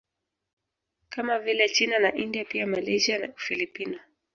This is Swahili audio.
Kama vile China na India pia Malaysia na Ufilipino